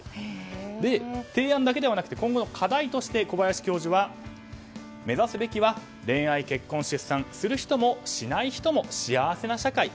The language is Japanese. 提案だけではなくて今後の課題として小林教授は、目指すべきは恋愛、結婚、出産しない人も幸せな社会。